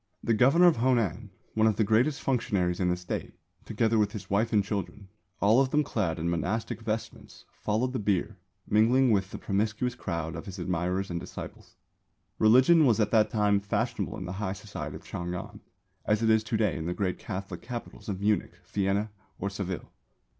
The Governor of Honan (one of the greatest functionaries in the State), together with his wife and children, all of them clad in monastic vestments, followed the bier, mingling with the promiscuous crowd of his admirers and disciples. Old T'ang History, 191. Religion was at that time fashionable in the high society of Ch'ang an, as it is to day in the great Catholic capitals of Munich, Vienna or Seville.